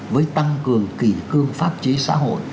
với tăng cường kỳ cương pháp chế xã hội